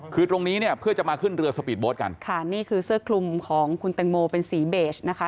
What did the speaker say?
คือตรงนี้เนี่ยเพื่อจะมาขึ้นเรือสปีดโบ๊ทกันค่ะนี่คือเสื้อคลุมของคุณแตงโมเป็นสีเบสนะคะ